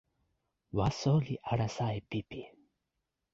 waso li alasa e pipi.